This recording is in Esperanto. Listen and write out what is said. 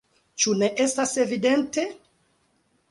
Ĉu ne estas evidente?